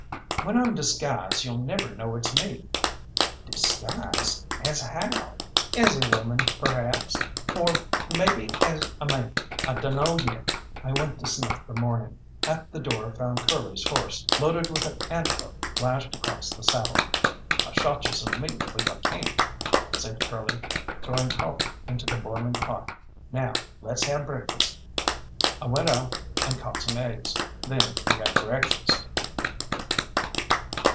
"When I'm disguised you'll never know it's me." "Disguised? As how?" "As a woman perhaps, or maybe as a man. I dunno yet." I went to sniff the morning, and at the door found Curly's horse, loaded with an antelope lashed across the saddle. "I shot you some meat fo' yo' camp," said Curly, throwing coffee into the boiling pot. "Now let's have breakfast." I went out and caught some eggs, then we had breakfast.